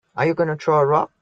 Are you gonna throw a rock?